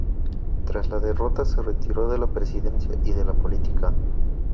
Tras la derrota, se retiró de la presidencia y de la política.